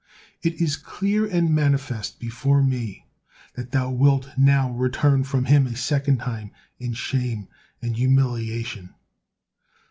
It is clear and manifest before Me that thou wilt now return from him a second time in shame and humiliation."